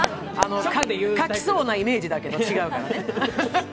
書きそうなイメージだけど、違うからね。